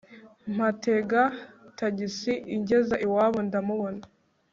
mpatega tagisi ingeza iwabo ndamubona